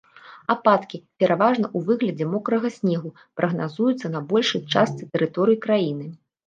Ападкі, пераважна ў выглядзе мокрага снегу, прагназуюцца на большай частцы тэрыторыі краіны.